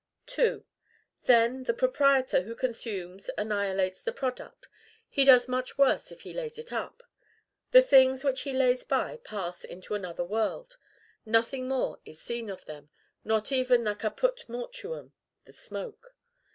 II. Then, the proprietor who consumes annihilates the product: he does much worse if he lays it up. The things which he lays by pass into another world; nothing more is seen of them, not even the caput mortuum, the smoke.